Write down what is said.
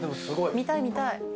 見たい見たい。